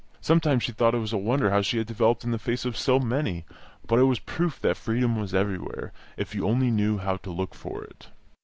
Sometimes she thought it was a wonder how she had developed in the face of so many; but it was a proof that freedom was everywhere, if you only knew how to look for it.